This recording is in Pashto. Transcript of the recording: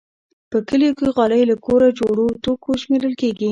په کلیو کې غالۍ له کور جوړو توکو شمېرل کېږي.